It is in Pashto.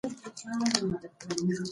ژر ازموینه د روغتیا ساتنه کوي.